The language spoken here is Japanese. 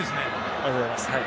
ありがとうございます。